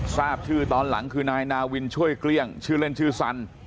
ทราบชื่อตอนหลังคือนายนาวินช่วยเกลี้ยงชื่อเล่นชื่อสัน